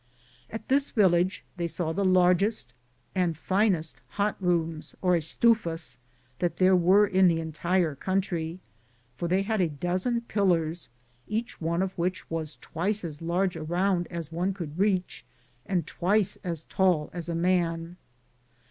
At this village they saw tho largest and finest hot rooms or estufas that there were in the entire country, for they had a dozen pillars, each one of which was twice as large around as one could reach and twice as tall as a man.